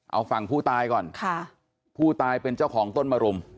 เอาฝั่งผู้ตายก่อนค่ะผู้ตายเป็นเจ้าของต้นมรุม